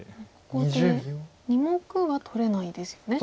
ここで２目は取れないですよね。